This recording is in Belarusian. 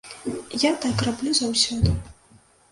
Я так раблю заўсёды.